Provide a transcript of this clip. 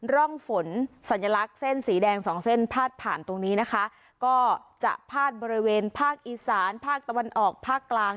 ร่องฝนสัญลักษณ์เส้นสีแดงสองเส้นพาดผ่านตรงนี้นะคะก็จะพาดบริเวณภาคอีสานภาคตะวันออกภาคกลาง